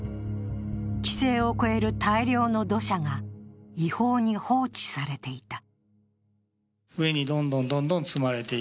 規制を超える大量の土砂が違法に放置されていた。